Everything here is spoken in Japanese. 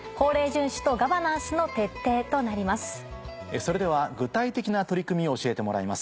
それでは具体的な取り組みを教えてもらいます。